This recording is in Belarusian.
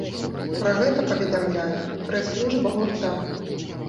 Пра гэта паведамляе прэс-служба гурта.